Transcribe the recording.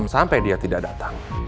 sampai dia tidak datang